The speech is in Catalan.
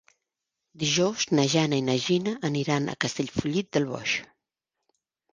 Dijous na Jana i na Gina aniran a Castellfollit del Boix.